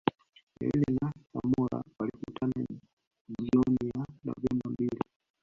Nyerere na Samora walikutana jioni ya Novemba mbili